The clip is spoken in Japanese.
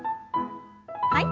はい。